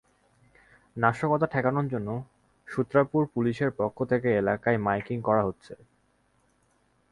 নাশকতা ঠেকানোর জন্য সূত্রাপুর পুলিশের পক্ষ থেকে এলাকায় মাইকিং করা হচ্ছে।